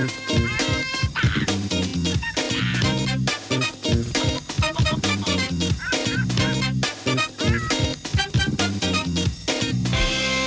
สวัสดีค่ะข้าวใส่ไข่สดใหม่ให้เยอะอ่างเปล่าอ่างเปล่า